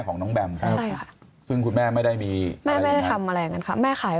ของน้องแบมซึ่งคุณแม่ไม่ได้มีไม่ได้ทำอะไรกันค่ะแม่ขาย